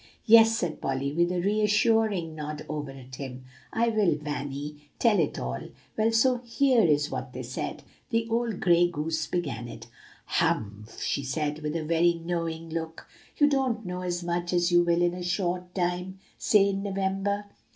"Yes," said Polly, with a reassuring nod over at him, "I will Vanny, tell it all. Well, so here is what they said. The old gray goose began it: "'Humph!' she said, with a very knowing look; 'you don't know as much as you will in a short time say in November.